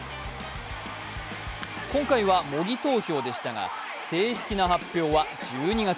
今回は模擬投票でしたが正式な発表は１２月。